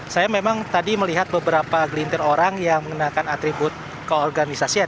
saya memang tadi melihat beberapa gelintir orang yang mengenakan atribut keorganisasian